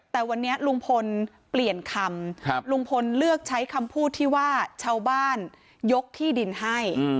แต่วันนี้ลุงพลเปลี่ยนคำลุงพลเลือกใช้คำพูดที่ว่าชาวบ้านยกที่ดินให้